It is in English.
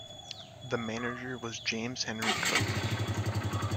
The manager was James Henry Cook.